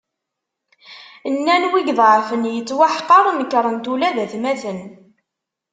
Nnan wi iḍeεfen yettweḥqer, nekkren-t ula d atmaten.